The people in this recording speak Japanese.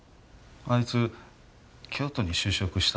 あいつ京都に就職した